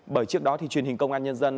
bởi trước đó thì truyền hình công an nhân dân